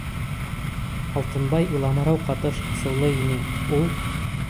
Алтынбай иламһырау ҡатыш асыулы ине, ул: